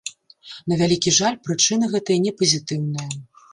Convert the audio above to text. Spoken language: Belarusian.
На вялікі жаль, прычыны гэтыя не пазітыўныя.